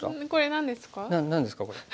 何ですかこれ。